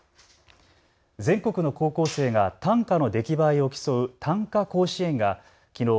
全国の高校生が短歌の出来栄えを競う短歌甲子園がきのう